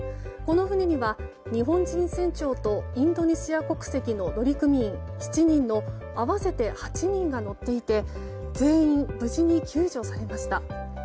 この船には日本人船長とインドネシア国籍の乗組員７人の合わせて８人が乗っていて全員無事に救助されました。